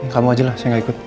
kamu aja lah saya gak ikut